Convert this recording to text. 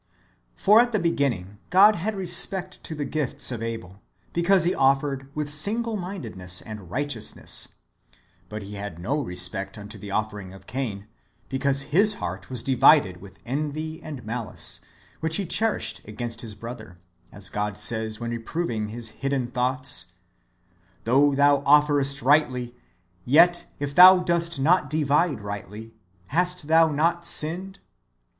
For at the beginning God had respect to the gifts of Abel, because he offered with single mindedness and right eousness ; but He had no respect unto the offering of Cain, because his heart was divided with envy and malice, whicli lie cherished against his brother, as God says when reprov ing his hidden [thoughts], " Though thou offerest rightly, yet, if thou dost not divide rightly, hast thou not sinned